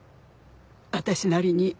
私なりに。